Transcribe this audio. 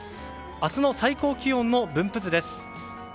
明日の最高気温の分布図です。